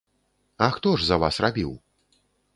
А хто ж за вас рабіў?